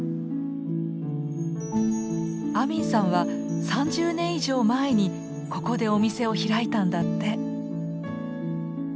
アミンさんは３０年以上前にここでお店を開いたんだって。